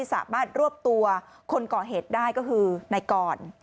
สามารถรวบตัวคนก่อเหตุได้ก็คือนายกร